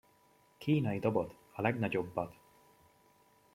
Kínai dobot, a legnagyobbat!